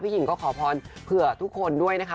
หญิงก็ขอพรเผื่อทุกคนด้วยนะคะ